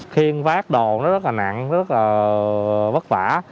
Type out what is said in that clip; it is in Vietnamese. khiến vác đồ rất là nặng rất là bất vả